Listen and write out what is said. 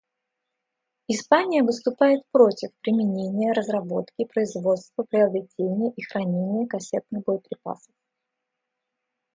Испания выступает против применения, разработки, производства, приобретения и хранения кассетных боеприпасов.